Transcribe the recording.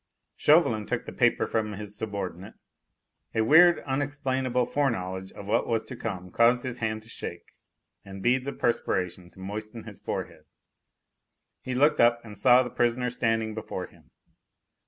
Chauvelin took the paper from his subordinate. A weird, unexplainable foreknowledge of what was to come caused his hand to shake and beads of perspiration to moisten his forehead. He looked up and saw the prisoner standing before him.